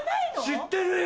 知ってるよ！